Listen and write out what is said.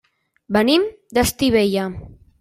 Venim d'Estivella.